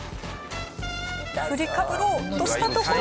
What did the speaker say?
振りかぶろうとしたところに。